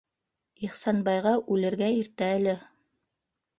Ихсанбайға үлергә иртә әле.